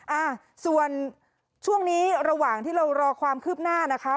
อ่าส่วนช่วงนี้ระหว่างที่เรารอความคืบหน้านะคะ